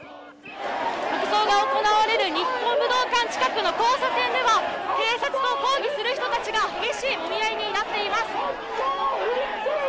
国葬が行われる日本武道館近くの交差点では、警察と抗議する人たちが激しいもみ合いになっています。